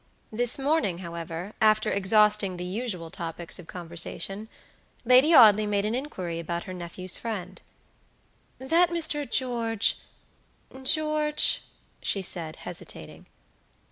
This morning, however, after exhausting the usual topics of conversation, Lady Audley made an inquiry about her nephew's friend; "That Mr. GeorgeGeorge" she said, hesitating.